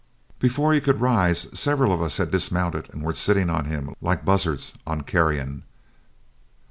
Before he could rise, several of us had dismounted and were sitting on him like buzzards on carrion.